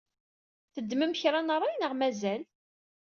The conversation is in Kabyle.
Teddmem kra n ṛṛay neɣ mazal?